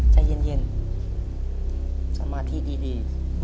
ใจเย็นสมาธิดี